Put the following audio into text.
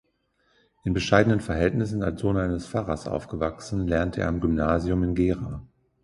In bescheidenen Verhältnissen als Sohn eines Pfarrers aufgewachsen, lernte er am Gymnasium in Gera.